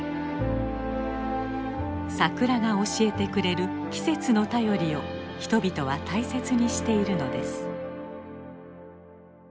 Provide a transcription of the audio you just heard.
桜が教えてくれる季節の便りを人々は大切にしているのです。